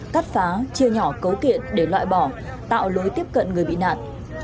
cắt phá chia nhỏ cấu kiện để loại bỏ tạo lối tiếp cận người bị nạn